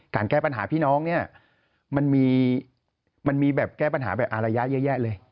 แก้ปัญหาพี่น้องเนี่ยมันมีแบบแก้ปัญหาแบบอารยะเยอะแยะเลย